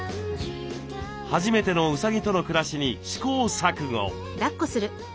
初めてのうさぎとの暮らしに試行錯誤。